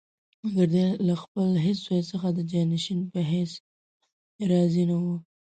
مګر دی له خپل هېڅ زوی څخه د جانشین په حیث راضي نه وو.